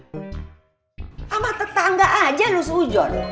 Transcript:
sama tetangga aja lo seujon